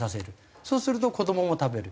そうすると子どもも食べる。